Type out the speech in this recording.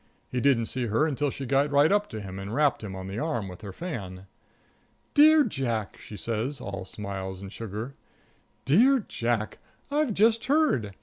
He didn't see her until she got right up to him and rapped him on the arm with her fan. "Dear Jack," she says, all smiles and sugar; "dear Jack, I've just heard.